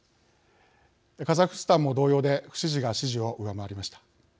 カザフスタンも同様で不支持が支持を上回りました。